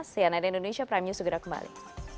cnn indonesia prime news segera kembali